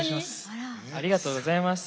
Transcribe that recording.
ありがとうございます。